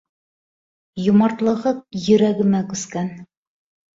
Йомартлығы йөрәгемә күскән.